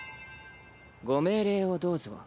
ご命令をどうぞ。